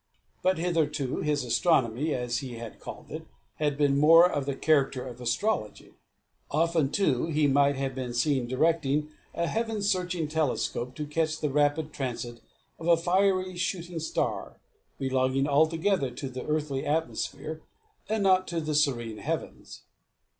But hitherto, his astronomy, as he had called it, had been more of the character of astrology. Often, too, he might have been seen directing a heaven searching telescope to catch the rapid transit of a fiery shooting star, belonging altogether to the earthly atmosphere, and not to the serene heavens.